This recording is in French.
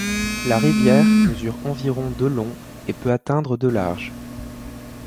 La rivière mesure environ de long et peut atteindre de large.